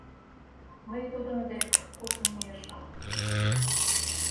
Мый тудын дек куржын мийышым.